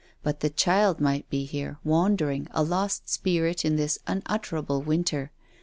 But the child might be here, wandering, a lost spirit, in this unutterable winter.